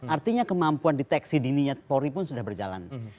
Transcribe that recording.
artinya kemampuan deteksi dininya polri pun sudah berjalan